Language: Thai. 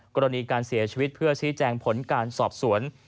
กรณีการเสียชีวิตเพื่อชี้แจงผลการสอบสวน